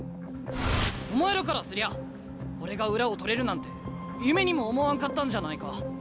お前らからすりゃ俺が裏を取れるなんて夢にも思わんかったんじゃないか。